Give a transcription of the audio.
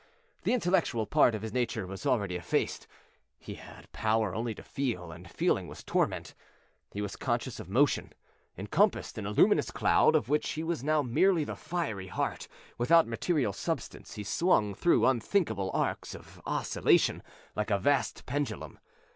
The intellectual part of his nature was already effaced; he had power only to feel, and feeling was torment. He was conscious of motion. Encompassed in a luminous cloud, of which he was now merely the fiery heart, without material substance, he swung through unthinkable arcs of oscillation, like a vast pendulum.